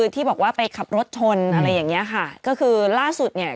ที่บอกว่าไปขับรถทนอะไรอย่างนี้ค่ะ